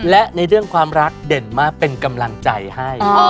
และในเรื่องความรักเด่นมากเป็นกำลังใจให้